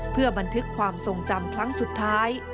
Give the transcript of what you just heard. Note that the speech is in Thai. เพื่อบันทึกความทรงจำครั้งสุดท้าย